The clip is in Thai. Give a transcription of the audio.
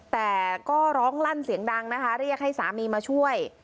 แต่ก็ร้องลั่นเสียงดังนะคะเรียกให้สามีมาช่วย